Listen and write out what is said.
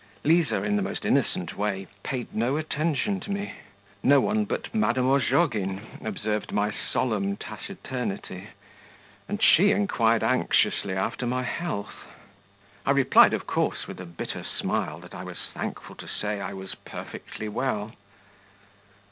Liza, in the most innocent way, paid no attention to me. No one but Madame Ozhogin observed my solemn taciturnity, and she inquired anxiously after my health. I replied, of course, with a bitter smile, that I was thankful to say I was perfectly well.